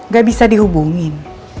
gak bisa dihubungin